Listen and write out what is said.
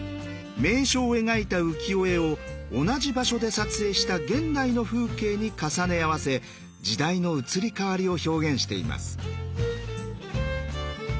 名所を描いた浮世絵を同じ場所で撮影した現代の風景に重ね合わせ時代の移り変わりを表現しています。